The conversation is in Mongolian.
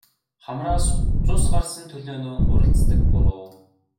Хамраас цус гарсан төлөөнөө уралцдаг буруу.